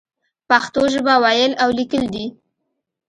پښتو ژبه ويل او ليکل دې.